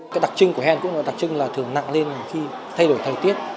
cái đặc trưng của hen cũng là đặc trưng là thường nặng lên khi thay đổi thời tiết